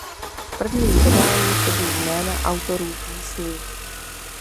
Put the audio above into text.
V prvním vydání chybí jména autorů písní.